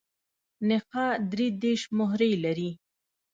نخاع درې دیرش مهرې لري.